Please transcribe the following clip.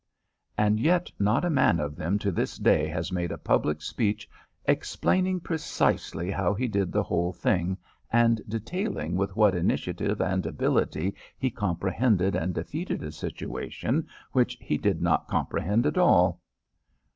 And yet not a man of them to this day has made a public speech explaining precisely how he did the whole thing and detailing with what initiative and ability he comprehended and defeated a situation which he did not comprehend at all.